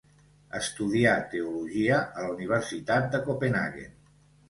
Estudià teologia a la Universitat de Copenhaguen.